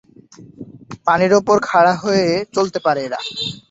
পানির ওপর খাড়া হয়ে চলতে পারে এরা।